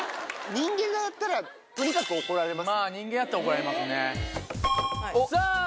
人間がやったらとにかく怒られます。